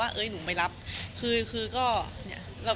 เรียกงานไปเรียบร้อยแล้ว